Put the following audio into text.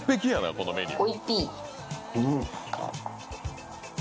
このメニュー。